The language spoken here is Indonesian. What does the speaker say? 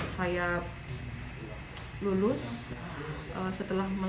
dan alhamdulillah saya berhasil berkompetisi